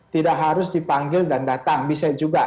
tidak harus dipanggil dan datang bisa juga